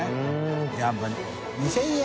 やっぱ２０００円。